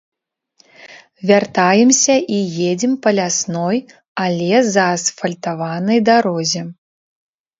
Вяртаемся і едзем па лясной, але заасфальтаванай дарозе.